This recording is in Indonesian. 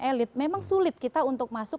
elit memang sulit kita untuk masuk